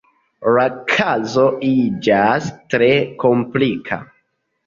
La kazo iĝas tre komplika.